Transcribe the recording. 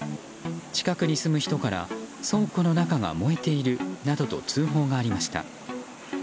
近くに住む人から倉庫の中が燃えているなどと通報がありました。